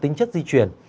tính chất di chuyển